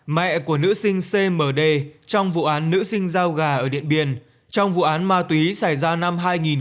mẹ của nữ sinh cmd trong vụ án nữ sinh giao gà ở điện biên trong vụ án ma túy xảy ra năm hai nghìn một mươi bảy